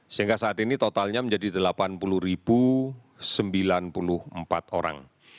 sehingga saat ini totalnya menjadi delapan puluh sembilan puluh empat orang